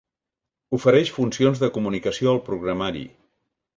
Ofereix funcions de comunicació al Programari.